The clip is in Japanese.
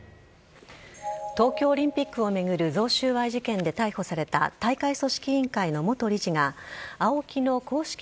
東京オリンピックを巡る贈収賄事件で逮捕された大会組織委員会の元理事がＡＯＫＩの公式